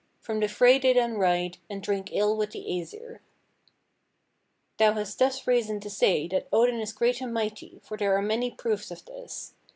From the fray they then ride, And drink ale with the Æsir.' "Thou hast thus reason to say that Odin is great and mighty, for there are many proofs of this.